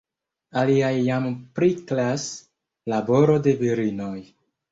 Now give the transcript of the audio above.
Aliaj jam priklas: laboro de virinoj.